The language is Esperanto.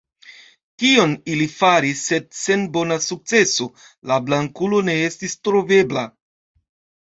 Tion ili faris, sed sen bona sukceso; la Blankulo ne estis trovebla.